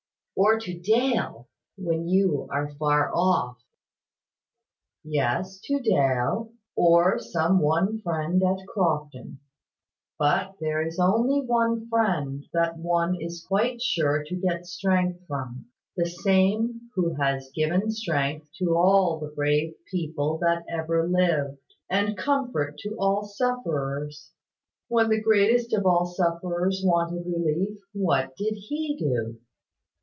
"Or to Dale, when you are far off." "Yes, to Dale, or some one friend at Crofton. But there is only one Friend that one is quite sure to get strength from, the same who has given strength to all the brave people that ever lived, and comfort to all sufferers. When the greatest of all sufferers wanted relief, what did He do?"